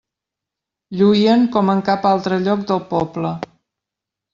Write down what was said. Lluïen com en cap altre lloc del poble.